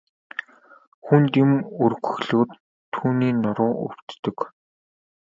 Хүнд юм өргөхлөөр түүний нуруу өвддөг.